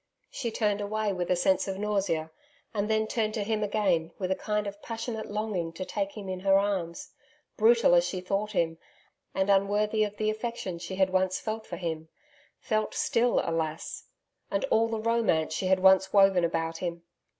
She turned away with a sense of nausea, and then turned to him again with a kind of passionate longing to take him in her arms brutal as she thought him, and unworthy of the affection she had once felt for him felt still alas! and all the romance she had once woven about him....